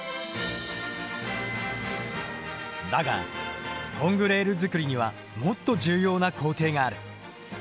だがトングレールづくりにはもっと重要な工程がある。